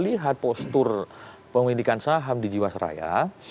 lihat postur pemilikan saham di jiwasraya